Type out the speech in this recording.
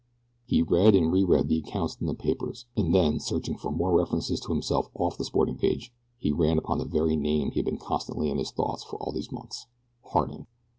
He read and re read the accounts in the papers, and then searching for more references to himself off the sporting page he ran upon the very name that had been constantly in his thoughts for all these months Harding.